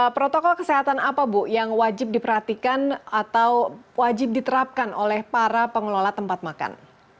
protokol kesehatan apa bu yang wajib diperhatikan atau wajib diterapkan oleh para pengelola tempat makan